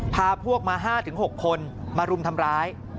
พาพวกมา๕๖คนมารุมทำร้าย